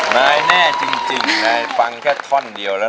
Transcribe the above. นายแน่จริงนายฟังแค่ท่อนเดียวแล้ว